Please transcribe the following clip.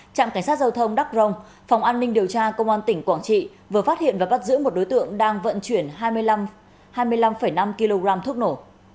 trạm cảnh sát giao thông đắk rông phòng an ninh điều tra công an tỉnh quảng trị vừa phát hiện và bắt giữ một đối tượng đang vận chuyển hai mươi năm năm kg thuốc nổ